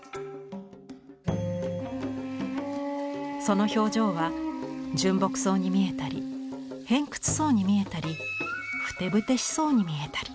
その表情は純朴そうに見えたり偏屈そうに見えたりふてぶてしそうに見えたり。